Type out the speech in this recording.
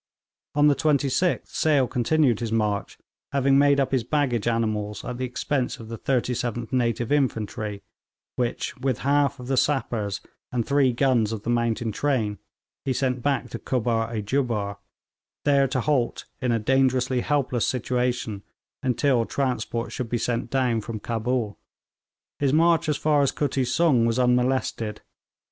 On the 26th Sale continued his march, having made up his baggage animals at the expense of the 37th Native Infantry, which, with half of the sappers and three guns of the mountain train, he sent back to Kubbar i Jubbar, there to halt in a dangerously helpless situation until transport should be sent down from Cabul. His march as far as Kutti Sung was unmolested.